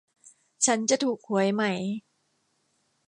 ฉันจะถูกหวยไหม